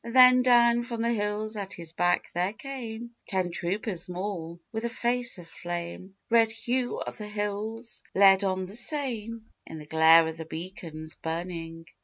Then down from the hills at his back there came Ten troopers more. With a face of flame Red Hugh of the Hills led on the same, In the glare of the beacon's burning.